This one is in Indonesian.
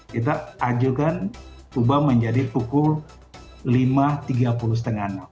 kita ajukan kubah menjadi pukul lima tiga puluh setengah enam